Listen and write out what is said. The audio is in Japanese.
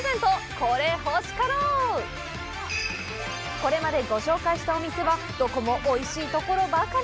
これまでご紹介したお店はどこもおいしいところばかり。